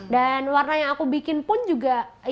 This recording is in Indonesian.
dan warna yang aku bikin pun juga lebih dari satu